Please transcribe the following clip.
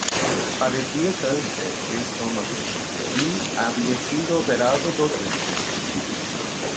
Padecía cáncer de estómago y había sido operado dos veces.